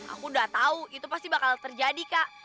aku udah tahu itu pasti bakal terjadi kak